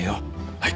はい。